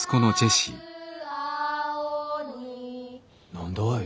何だい？